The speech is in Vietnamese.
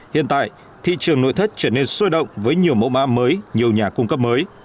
hiện tại thị trường nội thất trở nên sôi động với nhiều mẫu mã mới nhiều nhà cung cấp mới